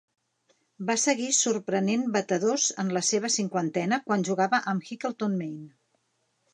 Va seguir sorprenent batedors en la seva cinquantena quan jugava amb Hickleton Main.